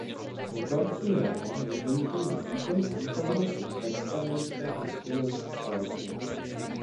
Dozorčí rada dohlíží na výkon působnosti představenstva a činnost společnosti.